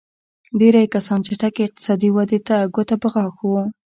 ډېری کسان چټکې اقتصادي ودې ته ګوته په غاښ وو.